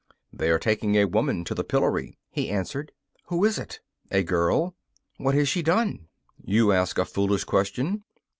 'They are taking a woman to the pillory,' he answered. 'Who is it?' 'A girl.' 'What has she done?' 'You ask a foolish question.